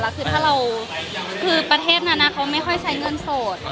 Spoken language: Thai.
แล้วคือถ้าเราคือประเทศนั้นเขาไม่ค่อยใช้เงินสด